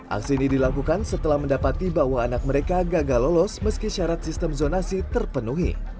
aksi ini dilakukan setelah mendapati bahwa anak mereka gagal lolos meski syarat sistem zonasi terpenuhi